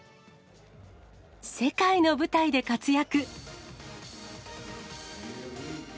世界の舞台で活躍。